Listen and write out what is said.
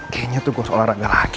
kayaknya tuh gue olahraga lagi